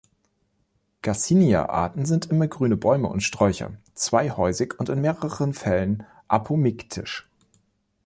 „Garcinia“-Arten sind immergrüne Bäume und Sträucher, zweihäusig und in mehreren Fällen apomiktisch.